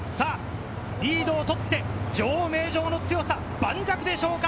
リードを取って、女王・名城の強さ、盤石でしょうか。